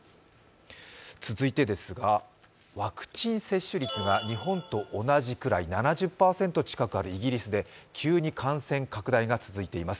続いて、ワクチン接種率が日本と同じぐらい、７０％近くあるイギリスで急に感染拡大が続いています。